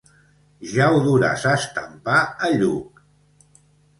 Ja ho duràs a estampar a Lluc!